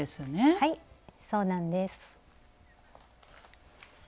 はいそうなんです。